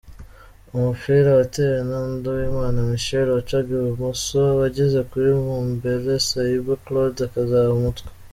Umupira watewe na Nduwimana Michel wacaga ibumoso wageze kuri Mumbele Saiba Claude akozaho umutwe.